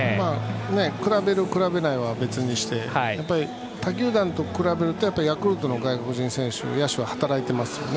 比べる比べないは別として他球団と比べるとヤクルトの外国人選手、野手は働いていますよね。